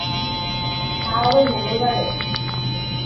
তাও আবার মঙ্গলবারে!